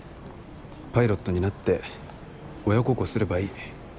パイロットになって親孝行すればいい。